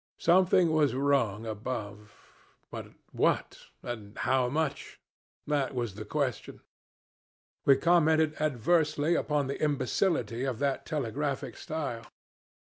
Something was wrong above. But what and how much? That was the question. We commented adversely upon the imbecility of that telegraphic style.